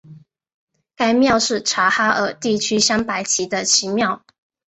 该庙是察哈尔地区镶白旗的旗庙。